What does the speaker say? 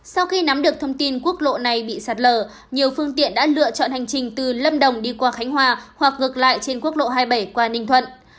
sau khi nắm được thông tin quốc lộ này bị sạt lở nhiều phương tiện đã lựa chọn hành trình từ lâm đồng đi qua khánh hòa hoặc ngược lại trên quốc lộ hai mươi bảy qua ninh thuận